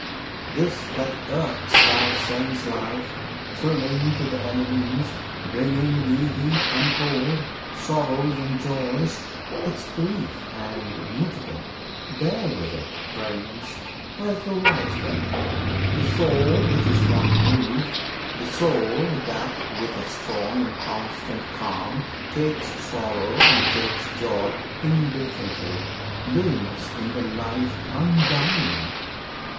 This that irks Thy sense life, thrilling to the elements Bringing thee heat and cold, sorrows and joys, 'Tis brief and mutable! Bear with it, Prince! As the wise bear. The soul which is not moved, The soul that with a strong and constant calm Takes sorrow and takes joy indifferently, Lives in the life undying!